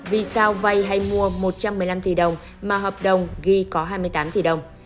vì sao vay hay mua một trăm một mươi năm tỷ đồng mà hợp đồng ghi có hai mươi tám tỷ đồng